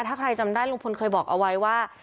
ถ้าใครจำได้ลุงพลเคยบอกเอาไว้ว่า